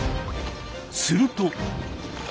すると。